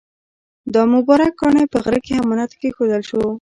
دا مبارک کاڼی په غره کې امانت کېښودل شو.